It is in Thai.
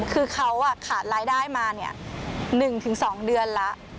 คือเขาขาดรายได้มา๑๒เดือนแล้ว